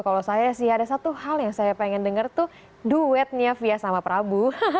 kalau saya sih ada satu hal yang saya pengen dengar tuh duetnya fia sama prabu